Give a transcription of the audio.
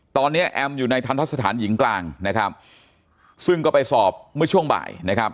ตอนนี้แอมอยู่ในทันทะสถานหญิงกลางนะครับซึ่งก็ไปสอบเมื่อช่วงบ่ายนะครับ